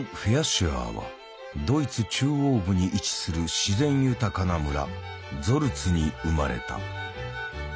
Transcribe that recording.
シュアーはドイツ中央部に位置する自然豊かな村ゾルツに生まれた。